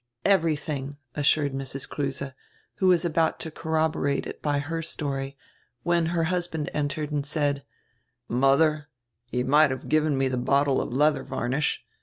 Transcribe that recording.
"Everything," assured Mrs. Kruse, who was about to corroborate it by her story, when her husband entered and said: "Modier, you might give me die bottie of leadier varnish.